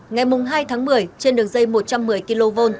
ngày hai tháng một mươi trên đường dây một trăm một mươi kv